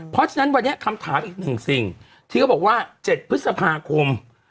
เพราะฉะนั้นวันนี้คำถามอีกหนึ่งสิ่งที่เขาบอกว่า๗พฤษภาคม